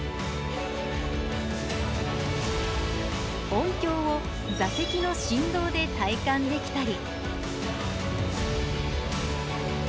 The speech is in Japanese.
音響を座席の振動で体感できたり。